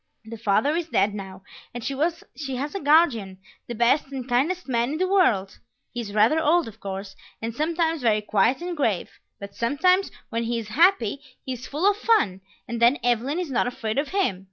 The father is dead now, and she has a guardian, the best and kindest man in the world; he is rather old of course, and sometimes very quiet and grave, but sometimes when he is happy, he is full of fun, and then Evelyn is not afraid of him.